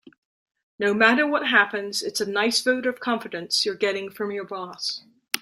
No matter what happens, it's a nice vote of confidence you're getting from your boss.